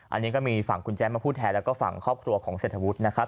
อันนี้ก็มีฝั่งคุณแจ๊มาพูดแทนแล้วก็ฝั่งครอบครัวของเศรษฐวุฒินะครับ